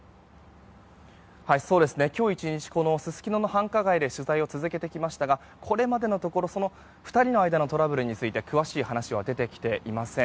今日１日このすすきのの繁華街で取材を続けてきましたがこれまでのところ２人の間のトラブルについて詳しい話は出てきていません。